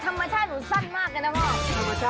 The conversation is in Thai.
ธรรมชาติหนูไม่น่าว่าจะเกิดมาเลย